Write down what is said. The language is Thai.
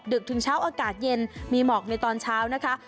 ถึงเช้าอากาศเย็นมีหมอกในตอนเช้านะคะ